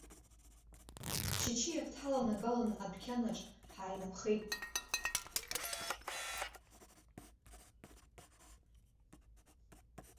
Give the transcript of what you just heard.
Чычиак дҳаланагалан адәқьанаҿ, ҳаинаԥхеит.